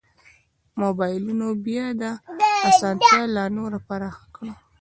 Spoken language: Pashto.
مبایلونو بیا دا اسانتیا لا نوره پراخه کړه.